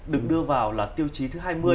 được đưa vào là tiêu chí thứ hai mươi